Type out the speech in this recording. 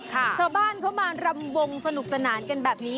ชาวบ้านเขามารำวงสนุกสนานกันแบบนี้